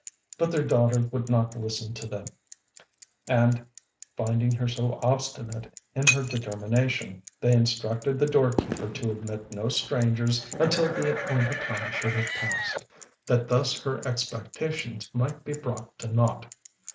But their daughter would not listen to them; and, finding her so obstinate in her determination, they instructed the doorkeeper to admit no strangers until the appointed time should have passed, that thus her expectations might be brought to naught.